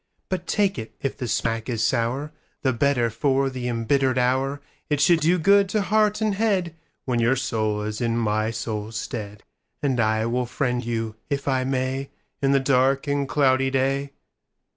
But take it: if the smack is sour, The better for the embittered hour; It should do good to heart and headWhen your soul is in my soul's stead; And I will friend you, if I may, In the dark and cloudy day.